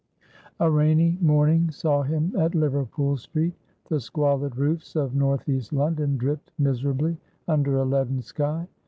A rainy morning saw him at Liverpool Street. The squalid roofs of north east London dripped miserably under a leaden sky.